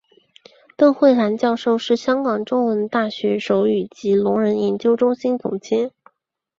邓慧兰教授是香港中文大学手语及聋人研究中心总监。